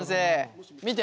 見て。